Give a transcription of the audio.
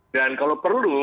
dan kalau perlu